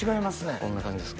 こんな感じですかね。